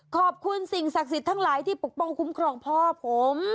ขอบคุณสิ่งศักดิ์สิทธิ์ทั้งหลายที่ปกป้องคุ้มครองพ่อผม